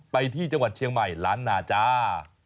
ไปที่จังหวัดเชียงใหม่ล้านนาจ้า